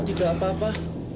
tuan tidak apa apa